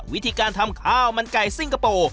วิธีการทำข้าวมันไก่ซิงคโปร์